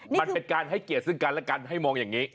มันเป็นการให้เกียรติซึ่งกันและกันให้มองอย่างนี้